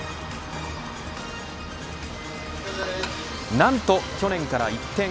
なんと去年から一転。